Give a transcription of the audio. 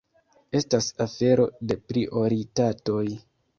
Estas afero de prioritatoj.